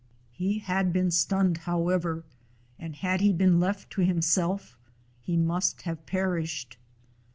He had been stunned, however, and had he been left to himself he must have per ished.